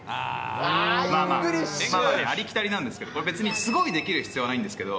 まあありきたりなんですけど、これ、別にすごいできる必要はないんですけど。